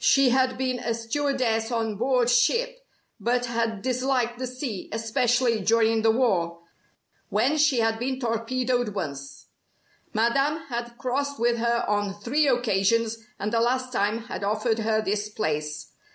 She had been a stewardess on board ship, but had disliked the sea, especially during the war, when she had been torpedoed once. Madame had crossed with her on three occasions, and the last time had offered her this place.